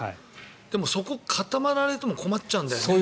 でも、そこに固まられても困っちゃうんだよね。